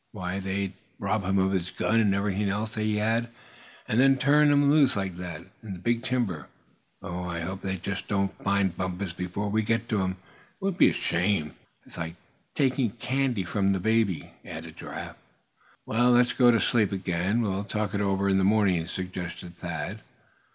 Why, they'd rob him of his gun, and everything else he had; and then turn him loose like that, in the big timber. Oh! I hope they just don't find Bumpus before we get to him. It would be a shame!" "Like taking candy from the baby," added Giraffe. "Well, let's go to sleep again! We can talk it over in the morning," suggested Thad.